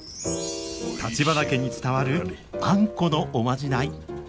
橘家に伝わるあんこのおまじない